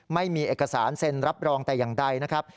ไม่มีเอกสารเซ็นรับรองแต่อย่างใดนะครับ